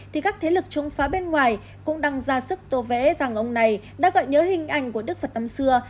thì các thế lực chống phá bên ngoài cũng đang ra sức tô vẽ rằng ông này đã gợi nhớ hình ảnh của đức phật năm xưa